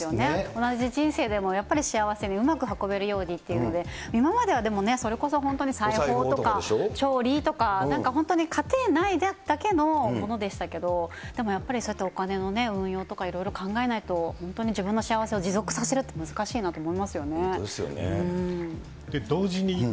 同じ人生でも、やっぱり幸せにうまく運べるようにということで、今まではそれこそ、本当にお裁縫とか調理とか、なんか本当に家庭内だけのものでしたけど、でもやっぱりそうやってお金の運用とかいろいろ考えないと、本当に自分の幸せを持続させるって難しいなと思いますよね。